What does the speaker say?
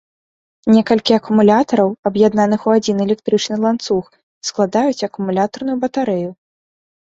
Некалькі акумулятараў, аб'яднаных у адзін электрычны ланцуг, складаюць акумулятарную батарэю.